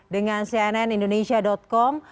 dengan cnn indonesia com